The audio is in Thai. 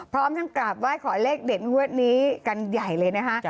พร้อมต้องกลับว่าขอเลขเด่นเวิร์ดนี้กันใหญ่เลยนะคะ